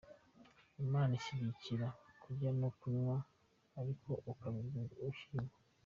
Imana ishyigikira kurya no kunywa, ariko ukabirya ushima.